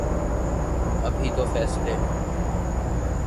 ابھی تو فیصلے